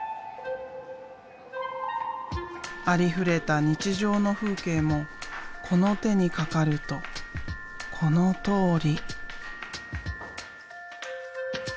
ありふれた日常の風景もこの手にかかるとこのとおり。